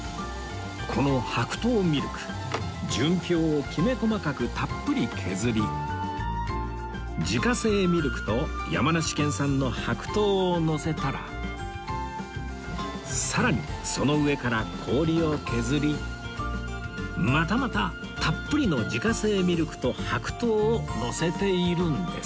この白桃ミルク純氷をきめ細かくたっぷり削り自家製ミルクと山梨県産の白桃をのせたらさらにその上から氷を削りまたまたたっぷりの自家製ミルクと白桃をのせているんです